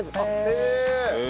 へえ。